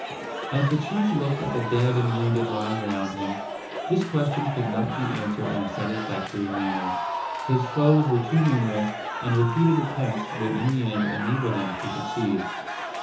As the chief looked at the dead and wounded lying around him, this question could not be answered in a satisfactory manner. His foes were too numerous, and repeated attempts would in the end enable them to succeed.